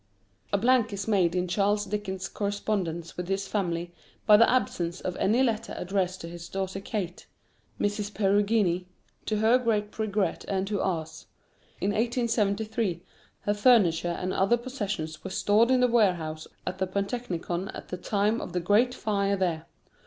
A blank is made in Charles Dickens's correspondence with his family by the absence of any letter addressed to his daughter Kate (Mrs. Perugini), to her great regret and to ours. In 1873, her furniture and other possessions were stored in the warehouse of the Pantechnicon at the time of the great fire there.